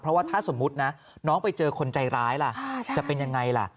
เพราะว่าถ้าสมมุตินะน้องไปเจอคนใจร้ายล่ะจะเป็นยังไงล่ะ